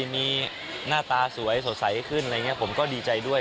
มีหน้าตาสวยสดใสขึ้นอะไรอย่างนี้ผมก็ดีใจด้วย